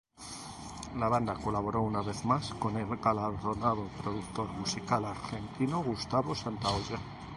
La banda colaboró una vez más con el galardonado productor musical argentino Gustavo Santaolalla.